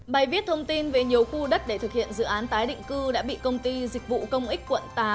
bài viết thông tin về nhiều khu đất để thực hiện dự án tái định cư đã bị công ty dịch vụ công ích quận tám